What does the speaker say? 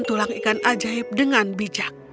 dan tulang ikan ajaib dengan bijak